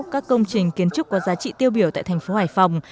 các công trình kiến trúc có giá trị tiêu biểu tại thành phố hải phòng